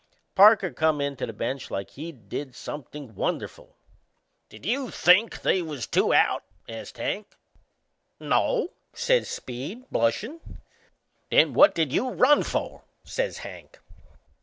Parker come in to the bench like he'd did something wonderful. "Did you think they was two out?" ast Hank. "No," says Speed, blushin'. "Then what did you run for?" says Hank.